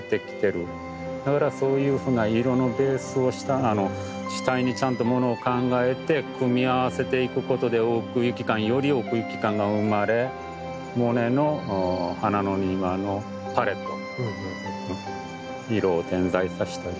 だからそういうふうな色のベースを主体にちゃんとものを考えて組み合わせていくことで奥行き感より奥行き感が生まれモネの花の庭のパレット色を点在させたりとか。